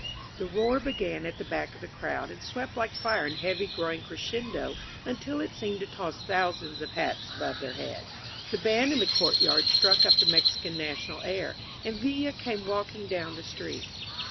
The roar began at the back of the crowd and swept like fire in heavy growing crescendo until it seemed to toss thousands of hats above their heads. The band in the courtyard struck up the Mexican national air, and Villa came walking down the street.